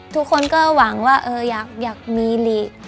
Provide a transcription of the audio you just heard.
ทุกคนก็หวังว่าอยากมีหลีก